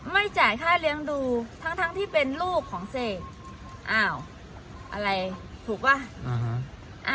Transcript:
จ่ายค่าเลี้ยงดูทั้งทั้งที่เป็นลูกของเสกอ้าวอะไรถูกป่ะ